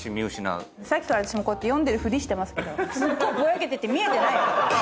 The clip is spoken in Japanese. さっきから私もこうやって読んでるふりしてますけどすっごいぼやけてて見えてない。